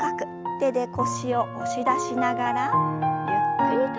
手で腰を押し出しながらゆっくりと後ろ。